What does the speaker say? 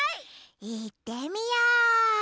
いってみよう！